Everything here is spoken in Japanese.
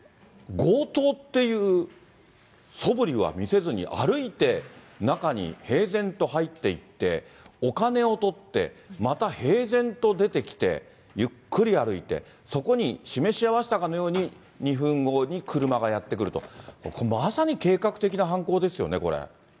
強盗っていうそぶりは見せずに歩いて、中に平然と入っていって、お金をとって、また平然と出てきて、ゆっくり歩いて、そこに示し合わせたかのように、２分後に車がやって来ると、まさに計画的な犯行ですよね、これ。